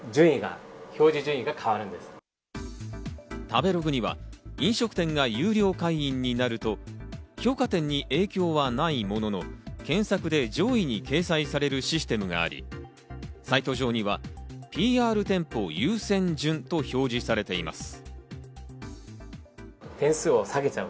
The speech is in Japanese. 食べログには飲食店が有料会員になると、評価点に影響はないものの、検索で上位に掲載されるシステムがあり、サイト上にはＰＲ店舗優先順と表示されています。